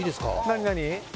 何何？